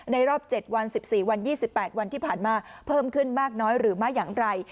รอบ๗วัน๑๔วัน๒๘วันที่ผ่านมาเพิ่มขึ้นมากน้อยหรือไม่อย่างไร